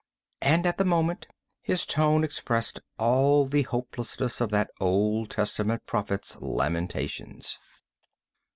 And, at the moment, his tone expressed all the hopelessness of that Old Testament prophet's lamentations.